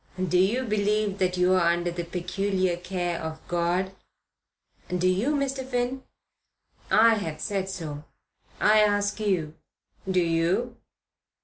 Do you believe that you're under the peculiar care of God?" "Do you, Mr. Finn?" "I have said so. I ask you. Do you?"